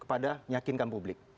kepada nyakinkan publik